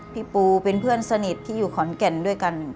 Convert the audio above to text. พี่ปูเป็นเพื่อนสนิทที่อยู่ขอนแก่นด้วยกัน